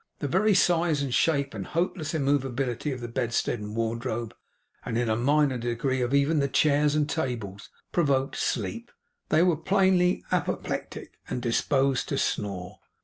The very size and shape, and hopeless immovability of the bedstead, and wardrobe, and in a minor degree of even the chairs and tables, provoked sleep; they were plainly apoplectic and disposed to snore.